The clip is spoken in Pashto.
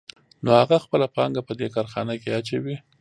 نو هغه خپله پانګه په دې کارخانه کې اچوي